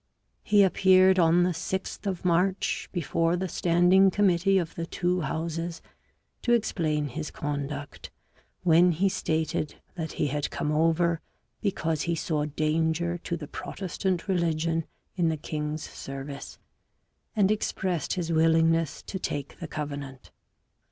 He appeared on the 6th of March before the standing committee of the two Houses to explain his conduct, when he stated that he had come over because he saw danger to the Protestant religion in the king's service, and expressed his willingness to take the Covenant.